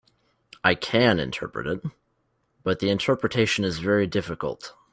I can interpret it, but the interpretation is very difficult.